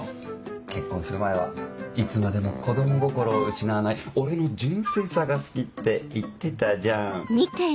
結婚する前はいつまでも子供心を失わない俺の純粋さが好きって言ってたじゃん。